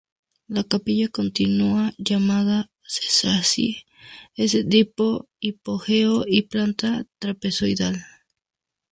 La capilla contigua llamada Selassie es de tipo hipogeo y planta trapezoidal.